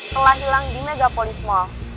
telah hilang di megapolis mall